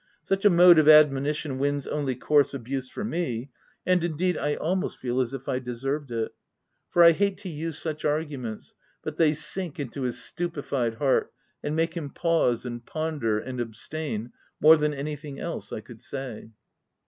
Such a mode of admonition wins only coarse abuse for me — and indeed I almost feel as if I deserved it, for I hate to use such arguments, but they sink into his stupified heart, and make him pause, and ponder, and abstain, more than anything else I could say.